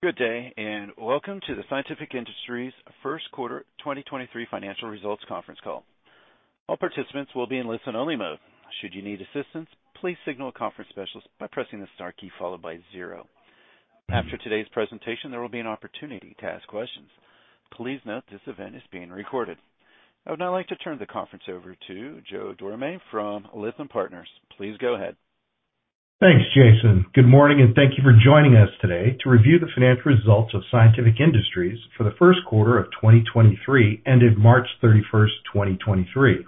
Good day. Welcome to the Scientific Industries Q1 2023 financial results conference call. All participants will be in listen-only mode. Should you need assistance, please signal a conference specialist by pressing the star key followed by 0. After today's presentation, there will be an opportunity to ask questions. Please note this event is being recorded. I would now like to turn the conference over to Joe Dorame from Lytham Partners. Please go ahead. Thanks, Jason. Good morning, thank you for joining us today to review the financial results of Scientific Industries for the Q1 of 2023, ended March 31, 2023.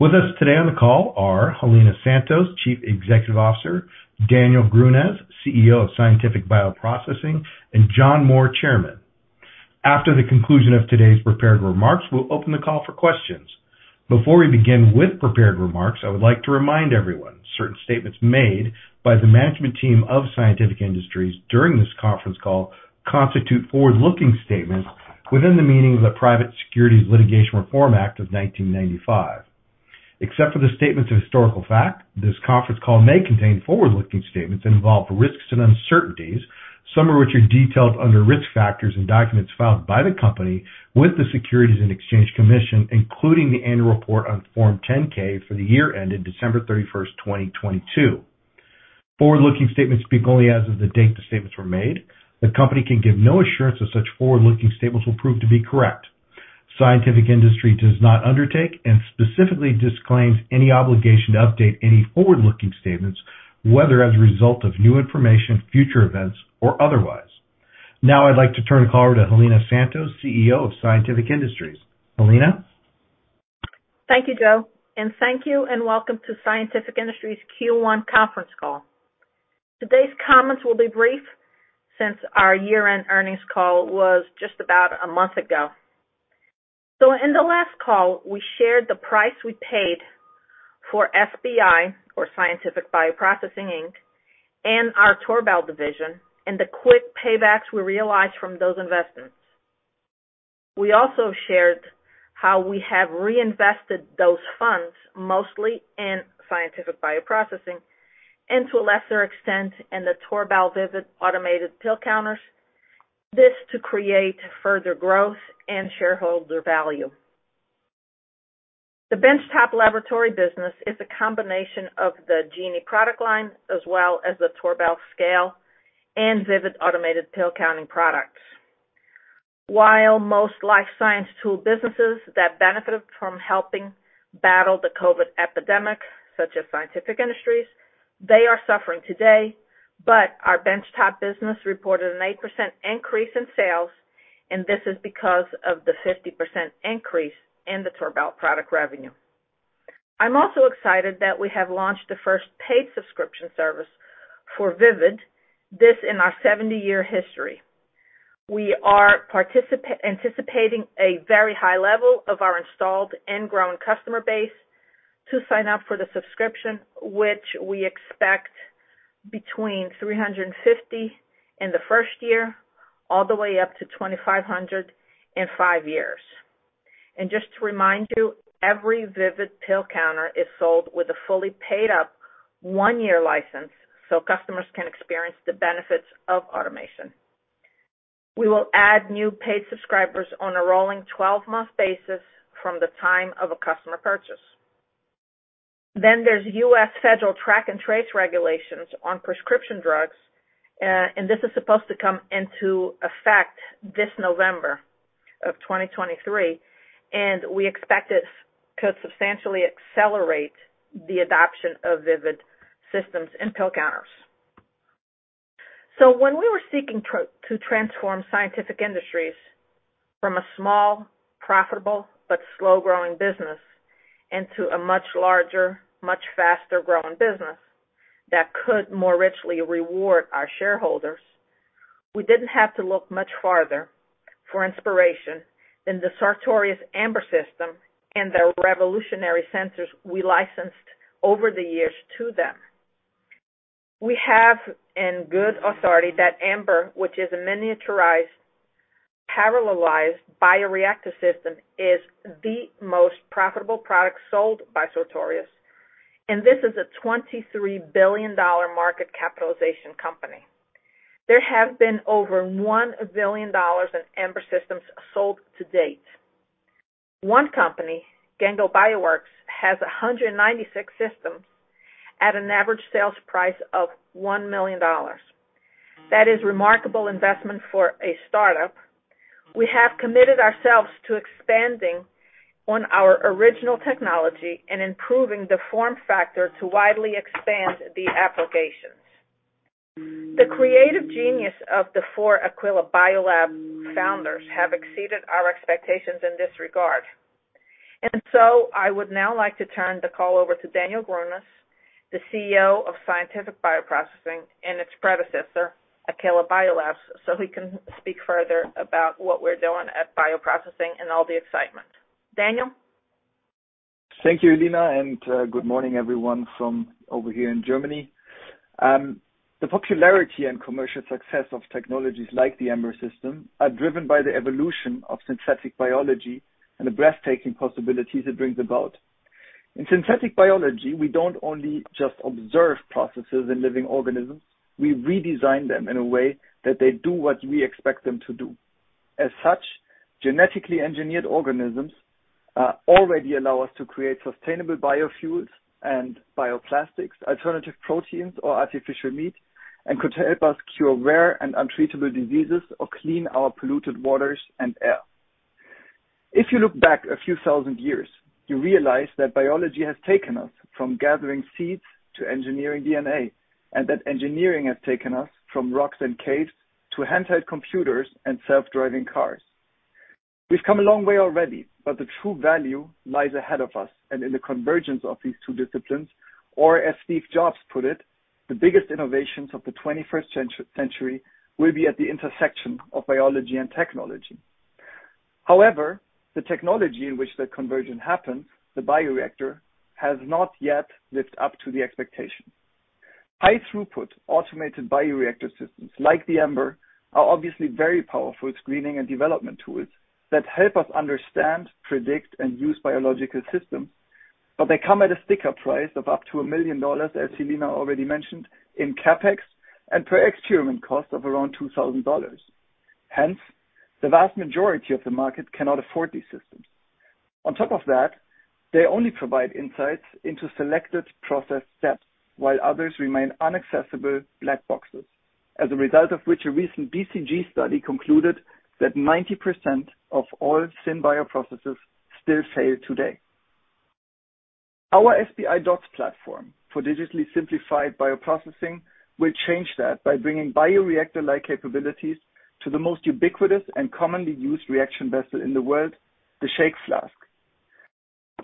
With us today on the call are Helena Santos, Chief Executive Officer, Daniel Grünes, CEO of Scientific Bioprocessing, and John Moore, Chairman. After the conclusion of today's prepared remarks, we'll open the call for questions. Before we begin with prepared remarks, I would like to remind everyone, certain statements made by the management team of Scientific Industries during this conference call constitute forward-looking statements within the meaning of the Private Securities Litigation Reform Act of 1995. Except for the statements of historical fact, this conference call may contain forward-looking statements that involve risks and uncertainties, some of which are detailed under risk factors and documents filed by the company with the Securities and Exchange Commission, including the annual report on Form 10-K for the year ended December 31, 2022. Forward-looking statements speak only as of the date the statements were made. The company can give no assurance that such forward-looking statements will prove to be correct. Scientific Industries does not undertake and specifically disclaims any obligation to update any forward-looking statements, whether as a result of new information, future events, or otherwise. I'd like to turn the call over to Helena Santos, CEO of Scientific Industries. Helena. Thank you, Joe, and thank you and welcome to Scientific Industries Q1 conference call. Today's comments will be brief since our year-end earnings call was just about a month ago. In the last call, we shared the price we paid for SBI, or Scientific Bioprocessing, Inc, and our Torbal division and the quick paybacks we realized from those investments. We also shared how we have reinvested those funds mostly in Scientific Bioprocessing and to a lesser extent in the Torbal VIVID automated pill counters. This to create further growth and shareholder value. The benchtop laboratory business is a combination of the Genie product line as well as the Torbal scale and VIVID automated pill counting products. While most life science tool businesses that benefited from helping battle the COVID epidemic, such as Scientific Industries, they are suffering today, but our bench top business reported an 8% increase in sales, and this is because of the 50% increase in the Torbal product revenue. I'm also excited that we have launched the first paid subscription service for Vivid, this in our 70-year history. We are anticipating a very high level of our installed and growing customer base to sign up for the subscription, which we expect between 350 in the first year, all the way up to 2,500 in five years. Just to remind you, every Vivid pill counter is sold with a fully paid-up one-year license so customers can experience the benefits of automation. We will add new paid subscribers on a rolling 12-month basis from the time of a customer purchase. There's US federal track and trace regulations on prescription drugs, and this is supposed to come into effect this November of 2023, and we expect it could substantially accelerate the adoption of VIVID systems in pill counters. When we were seeking to transform Scientific Industries from a small, profitable, but slow-growing business into a much larger, much faster-growing business that could more richly reward our shareholders, we didn't have to look much farther for inspiration than the Sartorius Ambr system and the revolutionary sensors we licensed over the years to them. We have in good authority that Ambr, which is a miniaturized parallelized bioreactor system, is the most profitable product sold by Sartorius, and this is a $23 billion market capitalization company. There have been over $1 billion in Ambr systems sold to date. One company, Ginkgo Bioworks, has 196 systems at an average sales price of $1 million. That is remarkable investment for a start-up. We have committed ourselves to expanding on our original technology and improving the form factor to widely expand the applications. The creative genius of the four Aquila Biolabs founders have exceeded our expectations in this regard. I would now like to turn the call over to Daniel Grünes, the CEO of Scientific Bioprocessing and its predecessor, Aquila Biolabs, so he can speak further about what we're doing at Bioprocessing and all the excitement. Daniel. Thank you, Helena, good morning, everyone from over here in Germany. The popularity and commercial success of technologies like the Ambr system are driven by the evolution of synthetic biology and the breathtaking possibilities it brings about. In synthetic biology, we don't only just observe processes in living organisms, we redesign them in a way that they do what we expect them to do. As such, genetically engineered organisms already allow us to create sustainable biofuels and bioplastics, alternative proteins or artificial meat, and could help us cure rare and untreatable diseases or clean our polluted waters and air. If you look back a few thousand years, you realize that biology has taken us from gathering seeds to engineering DNA, and that engineering has taken us from rocks and caves to handheld computers and self-driving cars. We've come a long way already. The true value lies ahead of us and in the convergence of these two disciplines, or as Steve Jobs put it, "The biggest innovations of the 21st century will be at the intersection of biology and technology." The technology in which that conversion happens, the bioreactor, has not yet lived up to the expectation. High throughput, automated bioreactor systems like the Ambr are obviously very powerful screening and development tools that help us understand, predict, and use biological systems, but they come at a sticker price of up to $1 million, as Helena already mentioned, in CapEx and per experiment cost of around $2,000. The vast majority of the market cannot afford these systems. They only provide insights into selected process steps, while others remain unaccessible black boxes. As a result of which, a recent BCG study concluded that 90% of all syn-bioprocesses still fail today. Our SBI DOTS platform for digitally simplified bioprocessing will change that by bringing bioreactor-like capabilities to the most ubiquitous and commonly used reaction vessel in the world, the shake flask.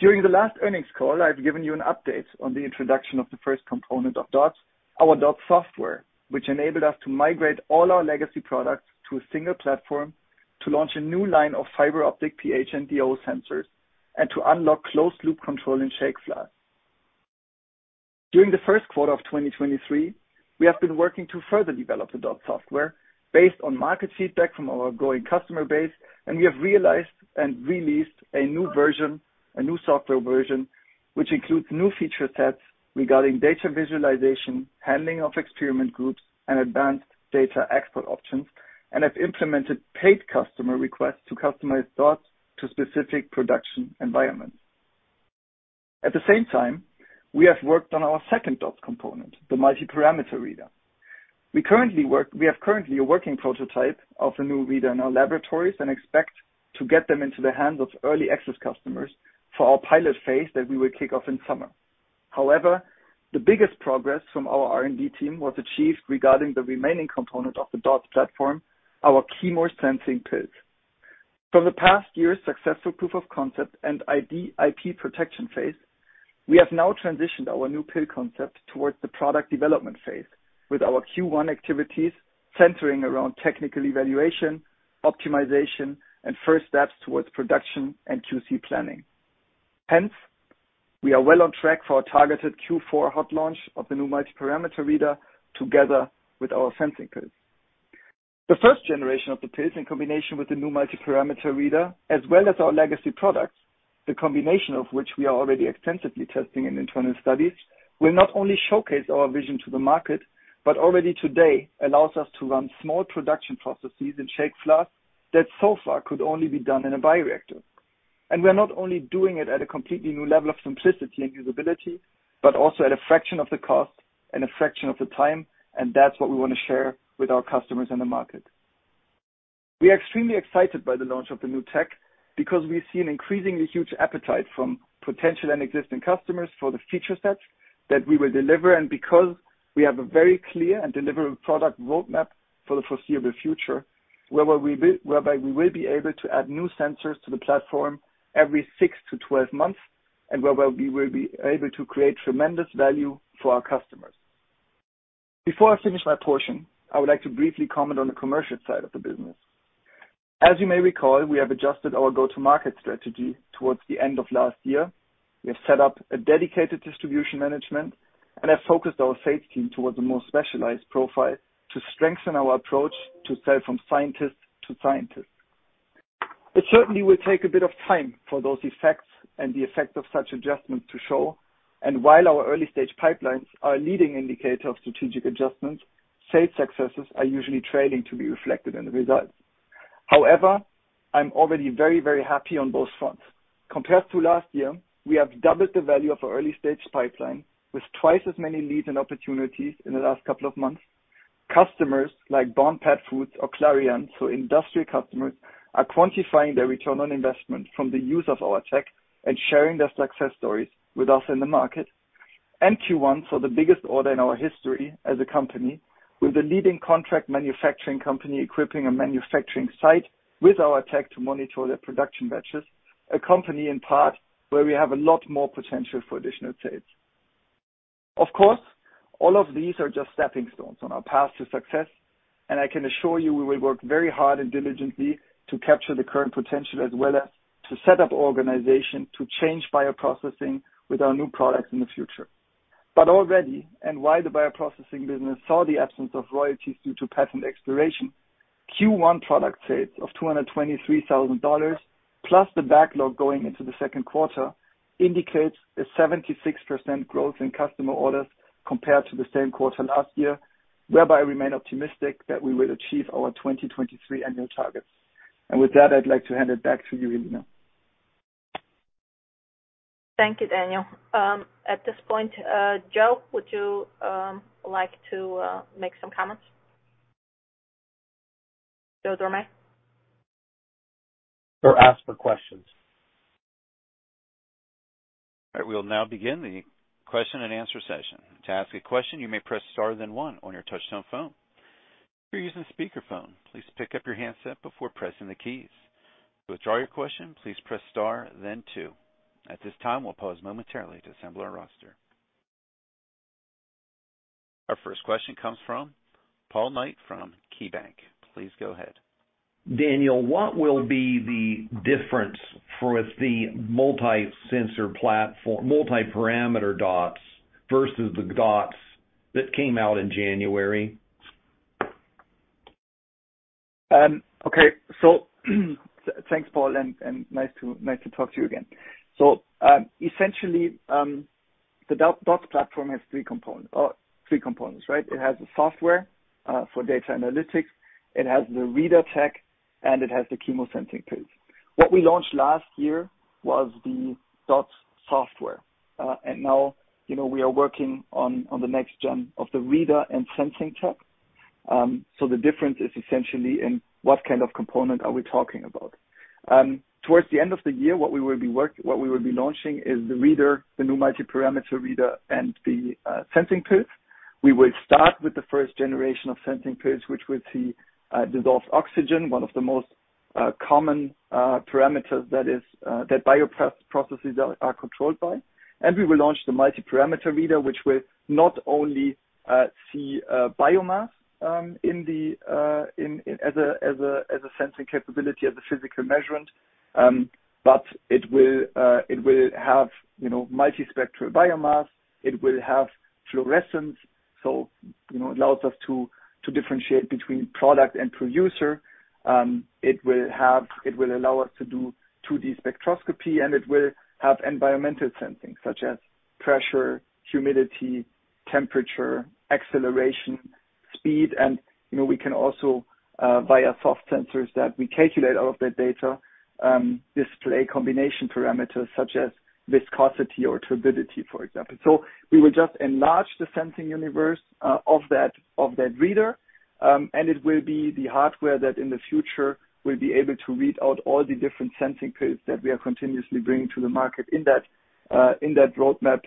During the last earnings call, I've given you an update on the introduction of the first component of DOTS, our DOTS software, which enabled us to migrate all our legacy products to a single platform to launch a new line of fiber optic pH and DO sensors, and to unlock closed loop control in shake flask. During the Q1 of 2023, we have been working to further develop the DOTS software based on market feedback from our growing customer base, and we have realized and released a new software version, which includes new feature sets regarding data visualization, handling of experiment groups, and advanced data export options, and have implemented paid customer requests to customize DOTS to specific production environments. At the same time, we have worked on our second DOTS component, the Multiparameter reader. We have currently a working prototype of the new reader in our laboratories and expect to get them into the hands of early access customers for our pilot phase that we will kick off in summer. However, the biggest progress from our R&D team was achieved regarding the remaining component of the DOTS platform, our DO Sensor Pills. For the past year's successful proof of concept and IP protection phase, we have now transitioned our new pill concept towards the product development phase with our Q1 activities centering around technical evaluation, optimization, and first steps towards production and QC planning. We are well on track for our targeted Q4 hot launch of the new multiparameter reader together with our sensing pills. The first generation of the pills in combination with the new multiparameter reader, as well as our legacy products, the combination of which we are already extensively testing in internal studies, will not only showcase our vision to the market, but already today allows us to run small production processes in shake flask that so far could only be done in a bioreactor. We are not only doing it at a completely new level of simplicity and usability, but also at a fraction of the cost and a fraction of the time, and that's what we wanna share with our customers in the market. We are extremely excited by the launch of the new tech, because we've seen increasingly huge appetite from potential and existing customers for the feature sets that we will deliver, and because we have a very clear and deliverable product roadmap for the foreseeable future, whereby we will be able to add new sensors to the platform every 6 to 12 months, and where we will be able to create tremendous value for our customers. Before I finish my portion, I would like to briefly comment on the commercial side of the business. As you may recall, we have adjusted our go-to-market strategy towards the end of last year. We have set up a dedicated distribution management and have focused our sales team towards a more specialized profile to strengthen our approach to sell from scientists to scientists. It certainly will take a bit of time for those effects and the effect of such adjustments to show. While our early-stage pipelines are a leading indicator of strategic adjustments, sales successes are usually trailing to be reflected in the results. However, I'm already very, very happy on both fronts. Compared to last year, we have doubled the value of our early-stage pipeline with twice as many leads and opportunities in the last couple of months. Customers like Bond Pet Foods or Clariant, so industrial customers, are quantifying their return on investment from the use of our tech and sharing their success stories with us in the market. Q1 saw the biggest order in our history as a company, with a leading contract manufacturing company equipping a manufacturing site with our tech to monitor their production batches, a company in part where we have a lot more potential for additional sales. Of course, all of these are just stepping stones on our path to success, and I can assure you we will work very hard and diligently to capture the current potential as well as to set up organization to change bioprocessing with our new products in the future. Already, while the bioprocessing business saw the absence of royalties due to patent expiration, Q1 product sales of $223,000 plus the backlog going into the Q2 indicates a 76% growth in customer orders compared to the same quarter last year, whereby we remain optimistic that we will achieve our 2023 annual targets. With that, I'd like to hand it back to you, Helena. Thank you, Daniel. At this point, Joe, would you like to make some comments? Joe Dorame. Ask for questions. All right, we will now begin the question and answer session. To ask a question, you may press star then one on your touchtone phone. If you're using speakerphone, please pick up your handset before pressing the keys. To withdraw your question, please press star then two. At this time, we'll pause momentarily to assemble our roster. Our first question comes from Paul Knight from KeyBanc. Please go ahead. Daniel, what will be the difference with the multi-parameter DOTS versus the DOTS that came out in January? Okay. Thanks, Paul, and nice to talk to you again. Essentially, the DOTS platform has three components, right? It has the software for data analytics, it has the reader tech, and it has the chemosensing pills. What we launched last year was the DOTS software. And now, you know, we are working on the next-gen of the reader and sensing tech. The difference is essentially in what kind of component are we talking about. Towards the end of the year, what we will be launching is the reader, the new multi-parameter reader, and the sensing pills. We will start with the first generation of sensing pills, which will see dissolved oxygen, one of the most common parameters that bioprocesses are controlled by. We will launch the multi-parameter reader, which will not only see biomass in as a sensing capability, as a physical measurement, but it will have, you know, multi-spectral biomass. It will have fluorescence, so, you know, it allows us to differentiate between product and producer. It will allow us to do 2D spectroscopy, and it will have environmental sensing, such as pressure, humidity, temperature, acceleration, speed. You know, we can also, via soft sensors that we calculate all of that data, display combination parameters such as viscosity or turbidity, for example. We will just enlarge the sensing universe of that, of that reader. It will be the hardware that in the future will be able to read out all the different sensing pills that we are continuously bringing to the market in that, in that roadmap,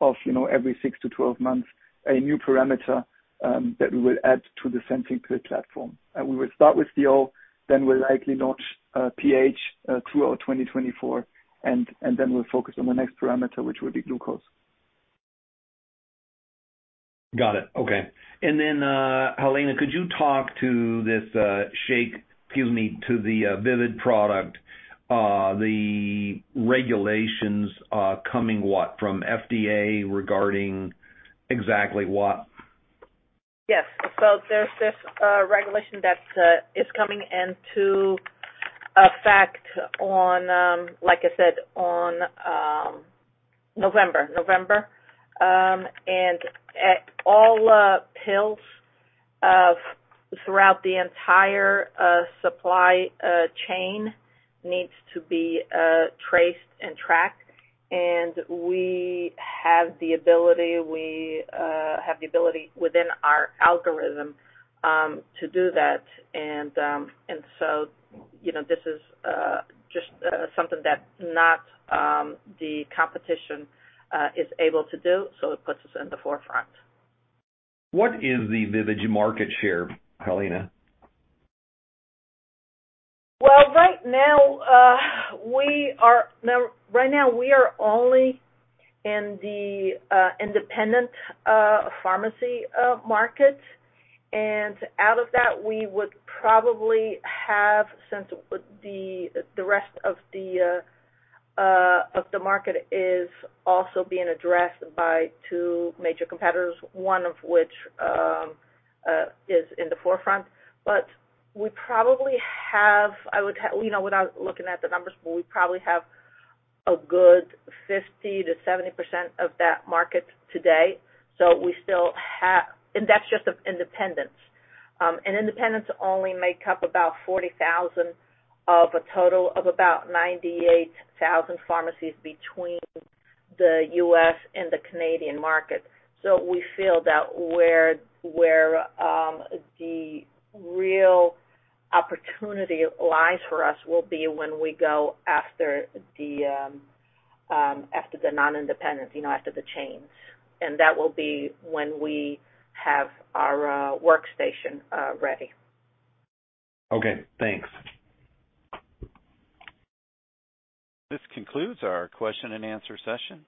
of, you know, every 6-12 months, a new parameter that we will add to the sensing pill platform. We will start with DO, then we'll likely launch pH throughout 2024, and then we'll focus on the next parameter, which will be glucose. Got it. Okay. Helena, could you talk to this, to the VIVID product, the regulations, coming, what, from FDA regarding exactly what? Yes. There's this regulation that is coming into effect on, like I said, on November. All pills throughout the entire supply chain needs to be traced and tracked. We have the ability within our algorithm to do that. You know, this is just something that not the competition is able to do, so it puts us in the forefront. What is the VIVID market share, Helena? Well, right now we are only in the independent pharmacy market. Out of that, we would probably have, since the rest of the market is also being addressed by two major competitors, one of which is in the forefront. We probably have, you know, without looking at the numbers, but we probably have a good 50%-70% of that market today. We still have. That's just of independents. Independents only make up about 40,000 of a total of about 98,000 pharmacies between the U.S. and the Canadian market. We feel that where the real opportunity lies for us will be when we go after the non-independents, you know, after the chains, and that will be when we have our workstation ready. Okay, thanks. This concludes our question and answer session.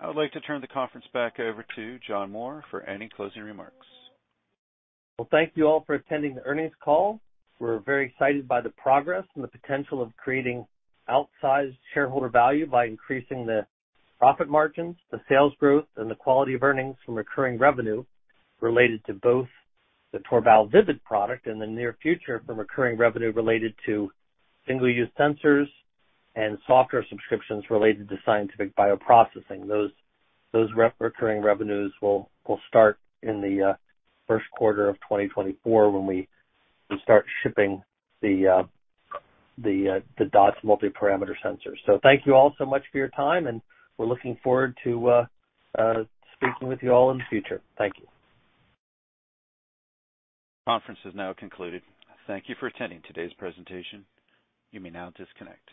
I would like to turn the conference back over to John Moore for any closing remarks. Well, thank you all for attending the earnings call. We're very excited by the progress and the potential of creating outsized shareholder value by increasing the profit margins, the sales growth, and the quality of earnings from recurring revenue related to both the Torbal VIVID product in the near future, from recurring revenue related to single-use sensors and software subscriptions related to Scientific Bioprocessing. Those recurring revenues will start in the Q1 of 2024 when we start shipping the DOTS Multiparameter Sensors. Thank you all so much for your time, and we're looking forward to speaking with you all in the future. Thank you. Conference is now concluded. Thank you for attending today's presentation. You may now disconnect.